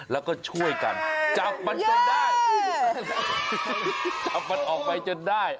แล้วก็ช่วยกันจับมันจนได้จับมันออกไปจนได้